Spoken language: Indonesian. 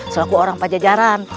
selaku orang pajajaran